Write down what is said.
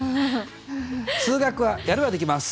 数学はやればできます。